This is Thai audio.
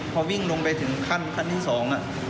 พอวิ่งลงไปถึงขั้นขั้นที่สองอ่ะ